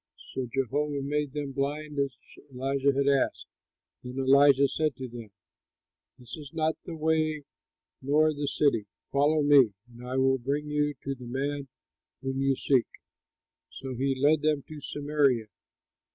So Jehovah made them blind, as Elisha asked. Then Elisha said to them, "This is not the way nor the city. Follow me, and I will bring you to the man whom you seek!" So he led them to Samaria.